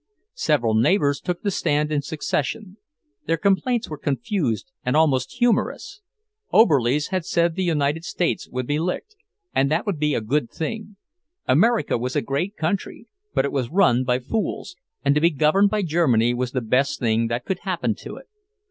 Several neighbours took the stand in succession; their complaints were confused and almost humorous. Oberlies had said the United States would be licked, and that would be a good thing; America was a great country, but it was run by fools, and to be governed by Germany was the best thing that could happen to it.